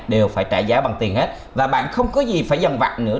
đều phải trả giá bằng tiền hết và bạn không có gì phải dần vặt nữa